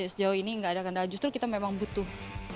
sejauh ini nggak ada kendala justru kita memang butuh